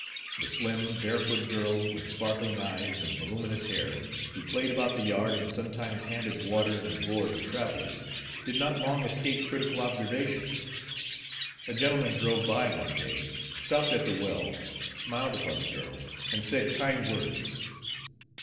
The slim, barefoot girl, with sparkling eyes and voluminous hair, who played about the yard and sometimes handed water in a gourd to travelers, did not long escape critical observation. A gentleman drove by one day, stopped at the well, smiled upon the girl, and said kind words.